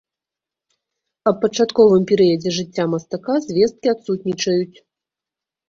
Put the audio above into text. Аб пачатковым перыядзе жыцця мастака звесткі адсутнічаюць.